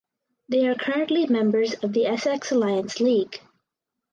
They are currently members of the Essex Alliance League.